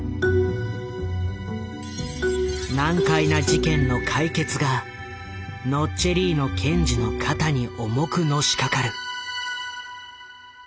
難解な事件の解決がノッチェリーノ検事の肩に重くのしかかる。